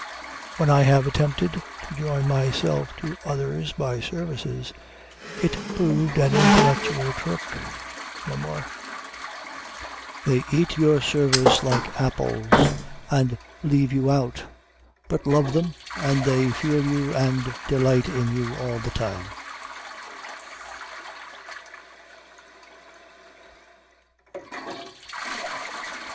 When I have attempted to join myself to others by services, it proved an intellectual trick, no more. They eat your service like apples, and leave you out. But love them, and they feel you, and delight in you all the time.